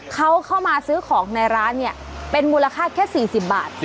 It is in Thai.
เขาเข้ามาซื้อของในร้านเนี่ยเป็นมูลค่าแค่๔๐บาท